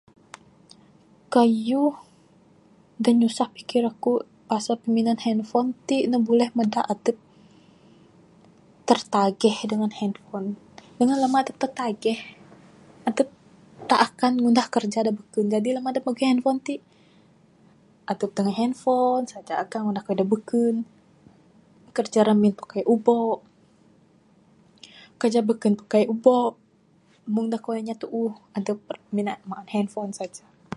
Kayuh da nyusah aku pasal piminan handphone ti ne buleh mada adep tertagih dangan handphone. Ngan lama ti tetagih, adep tak akan ngunah kerja labih lagi wang adep mageh handphone ti. Adep tengah handphone saja, agak ngunah kerja da beken , kerja ramin pun kaik ubo, kerja beken pun kaik ubo, meng da kuan namba tuuh adep maan handphone saja.